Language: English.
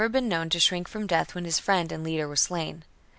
c. been known to shrink from death when his friend and leader was slain.